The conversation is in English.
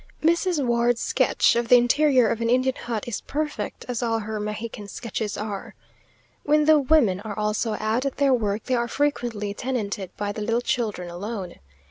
Mrs. Ward's sketch of the interior of an Indian hut is perfect, as all her Mexican sketches are. When the women are also out at their work, they are frequently tenanted by the little children alone.